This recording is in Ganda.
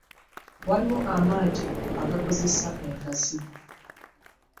Waliwo amaato agakozesa enkassi.